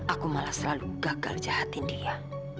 aku malah selalu gagal jahatin dia